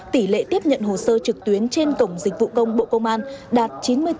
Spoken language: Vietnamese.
tỷ lệ tiếp nhận hồ sơ trực tuyến trên cổng dịch vụ công bộ công an đạt chín mươi bốn chín mươi bốn